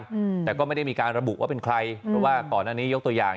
อืมแต่ก็ไม่ได้มีการระบุว่าเป็นใครเพราะว่าก่อนอันนี้ยกตัวอย่าง